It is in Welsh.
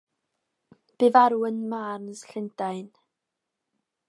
Bu farw ym Marnes, Llundain.